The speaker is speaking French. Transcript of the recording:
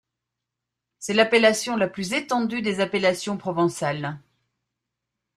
C’est l’appellation la plus étendue des appellations provençales.